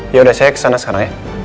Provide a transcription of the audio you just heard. yaudah saya kesana sekarang ya